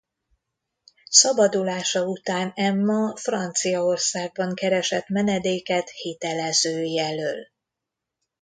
Szabadulása után Emma Franciaországban keresett menedéket hitelezői elől.